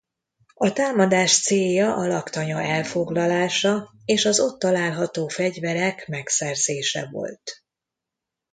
A támadás célja a laktanya elfoglalása és az ott található fegyverek megszerzése volt.